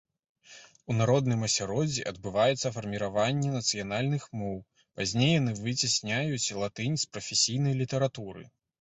У народным асяроддзі адбываецца фарміраванне нацыянальных моў, пазней яны выцясняюць латынь з прафесійнай літаратуры.